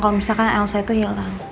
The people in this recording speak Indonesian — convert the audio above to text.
kalau misalkan elsa itu hilang